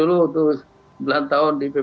memang laporan itu terus terang saja agak ribet ya